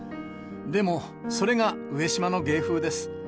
でも、それが上島の芸風です。